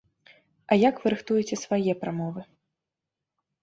А як вы рыхтуеце свае прамовы?